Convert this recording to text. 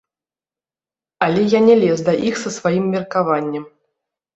Але я не лез да іх са сваім меркаваннем.